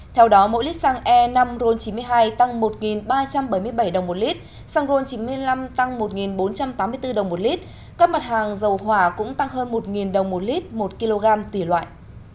theo đó mỗi lít xăng e năm ron chín mươi hai tăng một ba trăm bảy mươi bảy đồng một lít xăng ron chín mươi năm tăng một bốn trăm tám mươi bốn đồng một lít các mặt hàng dầu hỏa cũng tăng hơn một đồng một lít một kg tùy loại